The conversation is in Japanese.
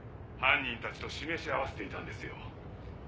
犯人たちと示し合わせていたんですよ。